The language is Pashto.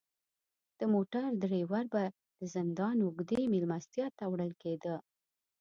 د موټر دریور به د زندان اوږدې میلمستیا ته وړل کیده.